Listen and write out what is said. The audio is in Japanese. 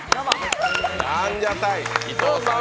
ランジャタイ、伊藤さん